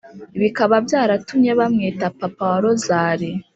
bikaba byaratumye bamwita “papa wa rozali”